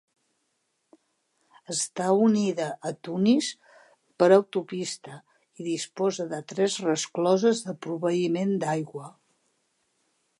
Està unida a Tunis per autopista, i disposa de tres rescloses pel proveïment d'aigua.